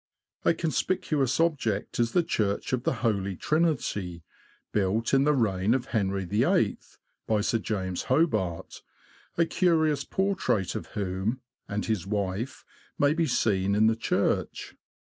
A conspicuous object is the Church of the Holy Trinity, built, in the reign of Henry VIII., by Sir James Hobart, a curious por trait of whom, and his wife, may be seen in the church.